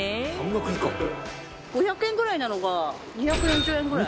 女性：５００円ぐらいなのが２４０円ぐらい。